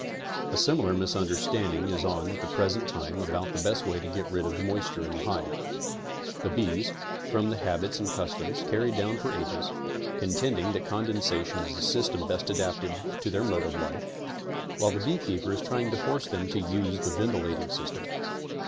A similar misunderstanding is on at the present time about the best way to get rid of the moisture in the hive. The bees, from the habits and customs, carried down for ages, coritending that condensation is the system best adapted to their mode of life, while the beekeeper is trying to force them to use the ventilating system.